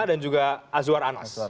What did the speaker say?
dan juga azwar anas